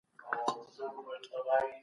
تل د نورو خلګو د بشري حقوقو درناوی وکړه.